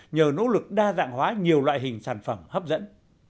nhờ nỗ lực đa dạng hóa nhiều loại hình sản phẩm hấp dẫn